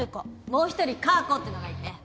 もう一人カー子ってのがいて。